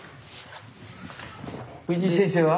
藤井先生は？